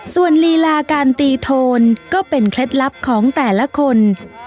ส่วนลีลาการตีโทนก็เป็นเคล็ดลับของแต่ละคน